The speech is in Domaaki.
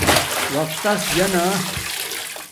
وقت تس جا نا